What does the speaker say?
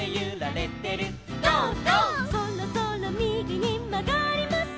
「そろそろみぎにまがります」